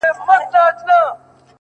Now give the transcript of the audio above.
زما و فكر ته هـا سـتا د كور كوڅـه راځي-